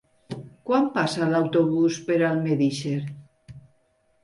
Quan passa l'autobús per Almedíxer?